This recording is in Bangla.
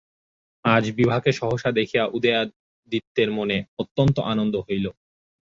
আজ বিভাকে সহসা দেখিয়া উদয়াদিত্যের মনে অত্যন্ত আনন্দ হইল।